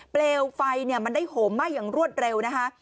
เปลวไฟมันได้โหมไหม้อย่างรวดเร็วนะคะ